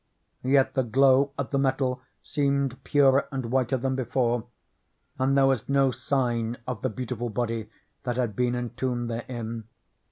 Yet the glow of the metal seemed purer and whiter than before ; and there was no sign of the beau tiful body that had been entombed therein.